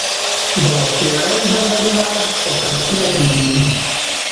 د څیړۍ ځنګلونه په پکتیا کې دي؟